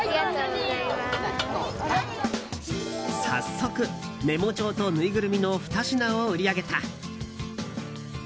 早速、メモ帳とぬいぐるみの２品を売り上げた。